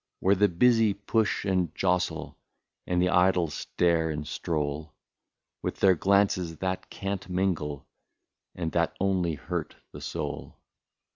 Where the busy push and jostle, And the idle stare and stroll, With their glances that can't mingle, And that only hurt the soul.